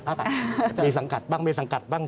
มีสังกัดบ้างมีสังกัดบ้าง